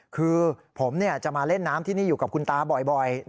คือผมจะมาเล่นน้ำที่นี่อยู่กับคุณตาบ่อย